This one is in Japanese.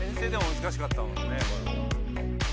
難しかったもんね。